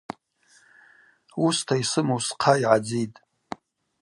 Уыста йсыму схъа йгӏадзитӏ.